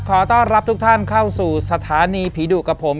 ขอต้อนรับทุกท่านเข้าสู่สถานีผีดุกับผม